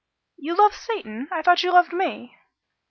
"You love Satan? I thought you loved me!"